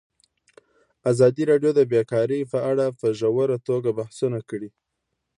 ازادي راډیو د بیکاري په اړه په ژوره توګه بحثونه کړي.